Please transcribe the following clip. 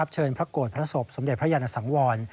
เชิญพระโกติิชาสมนติสำเด็จพระยาศน์สังวร